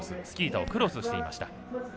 スキー板をクロスしていました。